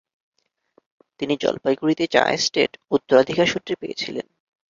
তিনি জলপাইগুড়িতে চা এস্টেট উত্তরাধিকার সূত্রে পেয়েছিলেন।